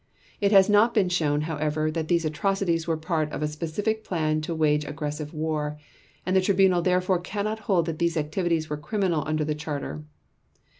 It has not been shown, however, that these atrocities were part of a specific plan to wage aggressive war, and the Tribunal therefore cannot hold that these activities were criminal under the Charter.